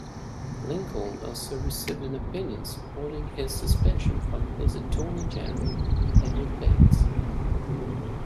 Lincoln also received an opinion supporting his suspension from his Attorney General, Edward Bates.